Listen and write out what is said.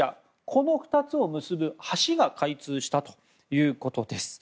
この２つを結ぶ橋が開通したということです。